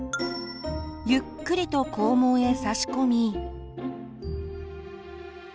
ゆっくりと肛門へ差し込み。